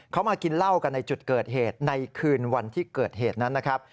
เขามากินเหล้ากันในจุดเกิดเหตุในคืนวันที่เกิดเหตุนั้นนะครับ